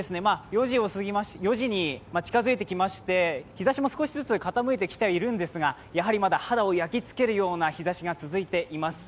４時に近づいてきまして、日ざしも少しずつ傾いてきてはいるんですが、やはりまだ肌を焼きつけるような日ざしが続いています。